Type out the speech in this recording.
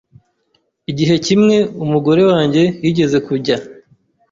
Igihe kimwe umugore wanjye yigeze kujya